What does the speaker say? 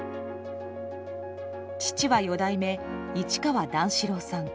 父は四代目市川段四郎さん